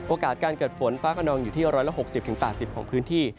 การเกิดฝนฟ้าขนองอยู่ที่๑๖๐๘๐ของพื้นที่